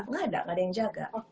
gak ada gak ada yang jaga